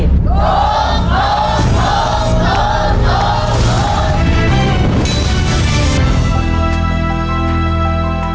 โรคโรคโรคโรคโรค